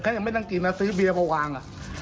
แค่ยังไม่นั่งกินมาซื้อเบียก็วาง